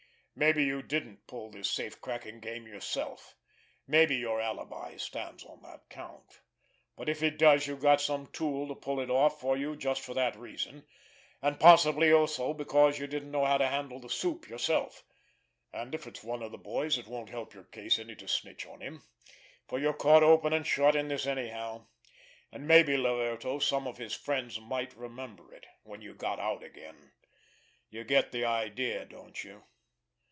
Maybe you didn't pull this safe cracking game yourself, maybe your alibi stands on that count; but, if it does, you got some tool to pull it off for you just for that reason, and possibly also because you didn't know how to handle the 'soup' yourself—and if it's one of the boys it won't help your case any to snitch on him, for you're caught open and shut in this anyhow, and maybe, Laverto, some of his friends might remember it when you got out again! You get the idea, don't you?